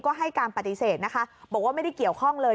ก็ให้การปฏิเสธนะคะบอกว่าไม่ได้เกี่ยวข้องเลย